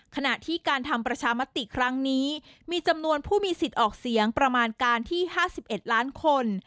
ขณะที่การทำประชามติครั้งนี้มีจำนวนผู้มีสิทธิ์ออกเสียงประมาณการที่๕๑ล้านคน